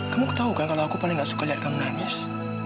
kamu ketahu kan kalau aku paling gak suka lihat kamu nangis